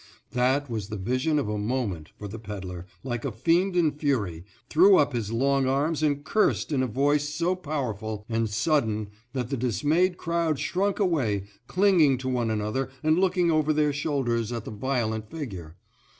That was the vision of a moment, for the pedler, like a fiend in fury, threw up his long arms and cursed in a voice so powerful and sudden that the dismayed crowd shrunk away, clinging to one another and looking over their shoulders at the violent figure.